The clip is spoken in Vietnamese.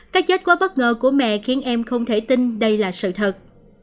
các chết quá bất ngờ của mẹ khiến em không thể tin đây là sự thật